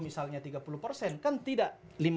misalnya tiga puluh persen kan tidak